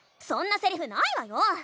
そんなセリフないわよ！